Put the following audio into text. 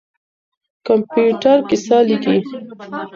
کمپيوټر کيسه ليکي.